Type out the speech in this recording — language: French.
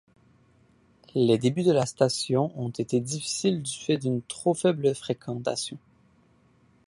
Les débuts de la station ont été difficiles du fait d'une trop faible fréquentation.